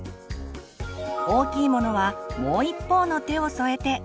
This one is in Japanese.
大きいものはもう一方の手を添えて。